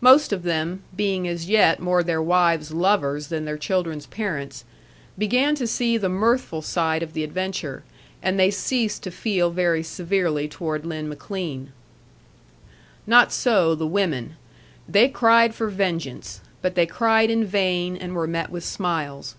Most of them, being as yet more their wives' lovers than their children's parents, began to see the mirthful side of the adventure; and they ceased to feel very severely toward Lin McLean. Not so the women. They cried for vengeance; but they cried in vain, and were met with smiles.